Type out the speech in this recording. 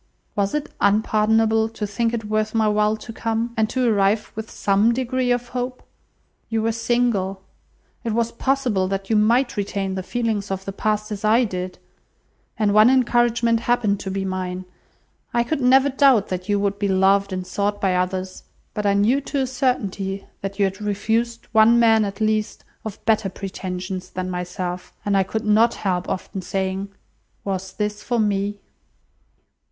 Was it unpardonable to think it worth my while to come? and to arrive with some degree of hope? You were single. It was possible that you might retain the feelings of the past, as I did; and one encouragement happened to be mine. I could never doubt that you would be loved and sought by others, but I knew to a certainty that you had refused one man, at least, of better pretensions than myself; and I could not help often saying, 'Was this for me?